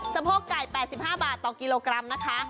สะโพกไก่๘๕บาทต่อกิโลกรัมนะคะ